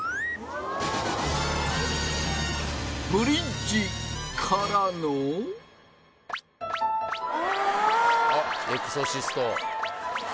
ブリッジからのあっ「エクソシスト」